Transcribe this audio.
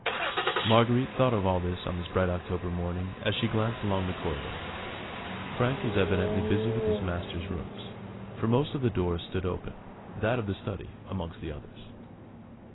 Marguerite thought of all this on this bright October morning as she glanced along the corridor. Frank was evidently busy with his master's rooms, for most of the doors stood open, that of the study amongst the others.